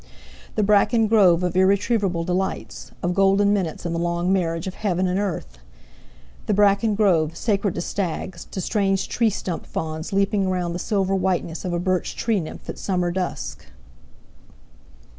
The bracken grove of irretrievable delights, of golden minutes in the long marriage of heaven and earth! The bracken grove, sacred to stags, to strange tree stump fauns leaping around the silver whiteness of a birch tree nymph at summer dusk.